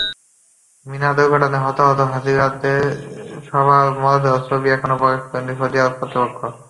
মিনা দুর্ঘটনায় হতাহত হাজিদের সবার মরদেহের ছবি এখনো প্রকাশ করেনি সৌদি কর্তৃপক্ষ।